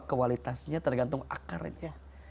kualitasnya tergantung akarnya